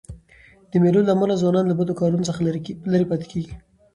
د مېلو له امله ځوانان له بدو کارو څخه ليري پاته کېږي.